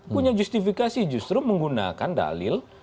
punya justifikasi justru menggunakan dalil